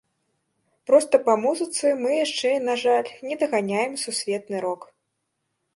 Проста па музыцы мы яшчэ, на жаль, не даганяем сусветны рок.